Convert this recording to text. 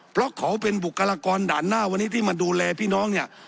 เพราะเขาเป็นบุคลากรด่านหน้าวันนี้ที่มาดูแลพี่น้องเนี่ย